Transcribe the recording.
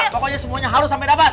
pokoknya semuanya halus sampai dapat